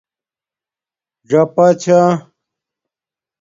ژَاپا چھا